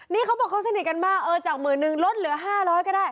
นี่เขาบอกเขาสนิทกันมากเออจากหมื่นนึงลดเหลือ๕๐๐ก็ได้